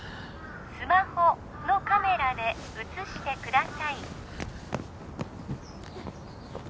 スマホのカメラで写してください